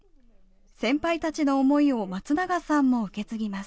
先輩たちの思いをまつながさんも受け継ぎます。